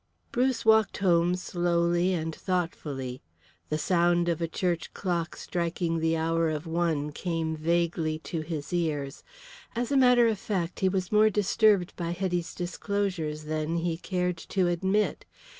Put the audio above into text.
Bruce walked home slowly and thoughtfully. The sound of a church clock striking the hour of one came vaguely to his ears. As a matter of fact he was more disturbed by Hetty's disclosures than he cared to admit.